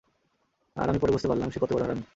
আর আমি পরে বুঝতে পারলাম সে কতো বড় হারামী!